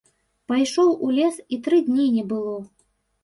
Пайшоў у лес, і тры дні не было.